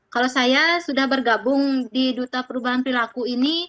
kalau saya sudah bergabung di duta perubahan perilaku ini